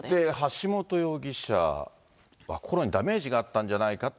橋本容疑者、こころにダメージがあったんじゃないかと。